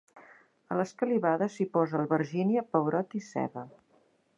A l'escalivada s'hi posa albergínia, pebrot i ceba.